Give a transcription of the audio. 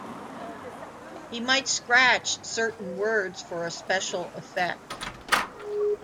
He might scratch certain words for a special effect.